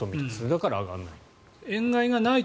だから上がらない。